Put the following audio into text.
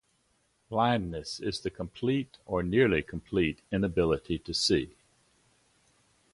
Blindness is the complete or nearly complete inability to see.